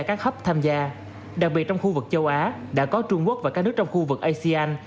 các khách tham gia đặc biệt trong khu vực châu á đã có trung quốc và các nước trong khu vực asean